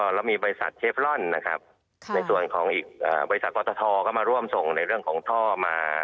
และมีบริษัทเชฟลอนส่วนของกษทธทก็มาร่วมส่งในเรื่องของท่อมา